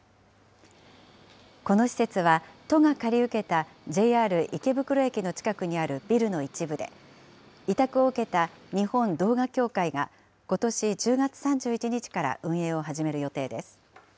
この施設は、都が借り受けたＪＲ池袋駅の近くにあるビルの一部で、委託を受けた日本動画協会が、ことし１０月３１日から運営を始める予定です。